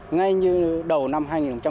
ngay như đầu năm hai nghìn một mươi năm